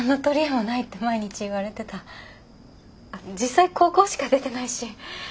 実際高校しか出てないし。